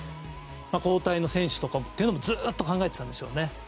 交代の選手とかもずっと考えていたんでしょうね。